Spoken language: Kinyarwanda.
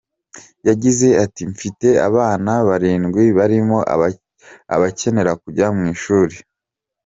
Yagize ati “mfite abana barindwi barimo abakenera kujya mu ishuri.